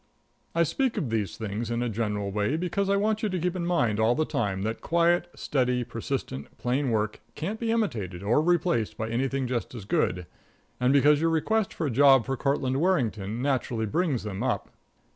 I speak of these things in a general way, because I want you to keep in mind all the time that steady, quiet, persistent, plain work can't be imitated or replaced by anything just as good, and because your request for a job for Courtland Warrington naturally brings them up.